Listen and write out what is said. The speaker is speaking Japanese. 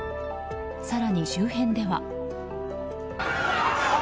更に、周辺では。